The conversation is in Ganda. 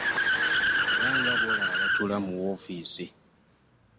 Era nga bw'olaba abatuula mu woofiisi